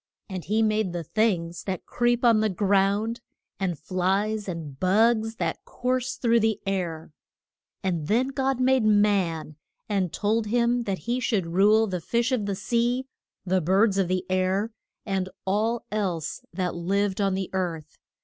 And he made the things that creep on the ground, and flies and bugs that course through the air. [Illustration: AD AM AND EVE DRIV EN FROM PAR A DISE.] And then God made Man, and told him that he should rule the fish of the sea, the birds of the air, and all else that lived on the earth.